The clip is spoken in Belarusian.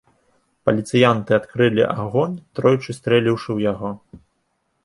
Паліцыянты адкрылі агонь, тройчы стрэліўшы ў яго.